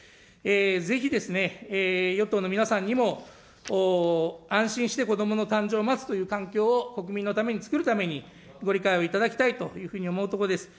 ぜひ、与党の皆さんにも安心して子どもの誕生を待つという環境を国民のために作るために、ご理解をいただきたいというように思うところです。